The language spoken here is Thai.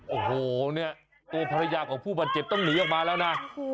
โอ้โหเนี่ยตัวภรรยาของผู้บาดเจ็บต้องหนีออกมาแล้วนะ